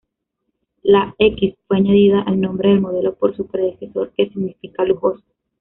La "X" fue añadida al nombre del modelo por su predecesor que significa "lujoso".